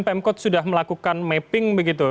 pemkot sudah melakukan mapping begitu